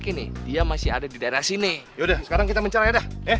udah entar di uang bencinnya